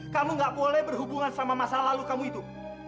kamu gak boleh berhubungan sama masa lalu kamu hidup